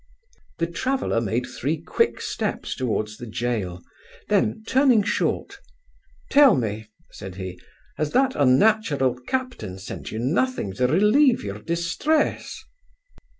The traveller made three quick steps towards the jail, then turning short, 'Tell me (said he), has that unnatural captain sent you nothing to relieve your distress?